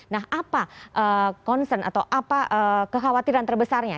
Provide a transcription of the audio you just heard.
nah apa concern atau apa kekhawatiran terbesarnya